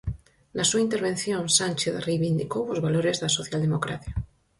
Na súa intervención Sánchez reivindicou os valores da socialdemocracia.